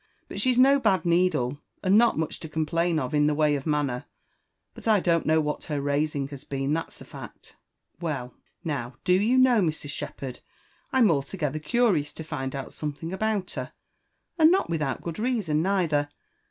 But she's no bad needle, and not much to complain of in the way of manner; but I don't know what her raising has been, that's a fact." *' Well, now, do you know, Mrs. Shepherd, I'm altogether curious to find out something about her, and not without good reason neither.